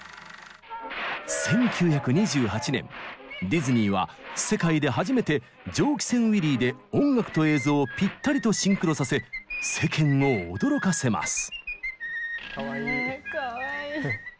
ディズニーは世界で初めて「蒸気船ウィリー」で音楽と映像をピッタリとシンクロさせ世間を驚かせます。